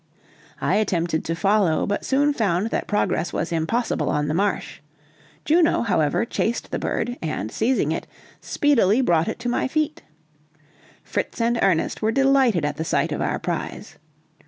I attempted to follow, but soon found that progress was impossible on the marsh; Juno, however, chased the bird and, seizing it, speedily brought it to my feet. Fritz and Ernest were delighted at the sight of our prize.